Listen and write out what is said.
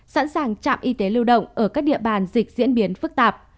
sẵn sàng trạm y tế lưu động ở các địa bàn dịch diễn biến phức tạp